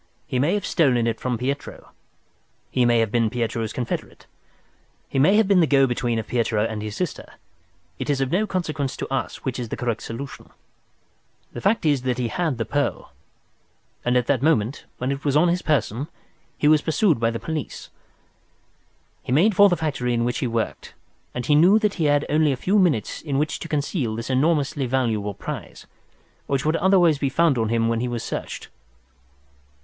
He may have stolen it from Pietro, he may have been Pietro's confederate, he may have been the go between of Pietro and his sister. It is of no consequence to us which is the correct solution. "The main fact is that he had the pearl, and at that moment, when it was on his person, he was pursued by the police. He made for the factory in which he worked, and he knew that he had only a few minutes in which to conceal this enormously valuable prize, which would otherwise be found on him when he was searched.